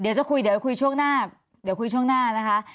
เดี๋ยวจะคุยเดี๋ยวคุยช่วงหน้าเดี๋ยวคุยช่วงหน้านะคะ